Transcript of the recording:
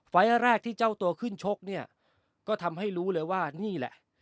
ไฟล์แรกที่เจ้าตัวขึ้นชกเนี่ยก็ทำให้รู้เลยว่านี่แหละ